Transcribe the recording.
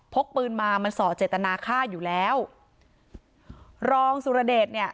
กปืนมามันส่อเจตนาฆ่าอยู่แล้วรองสุรเดชเนี่ย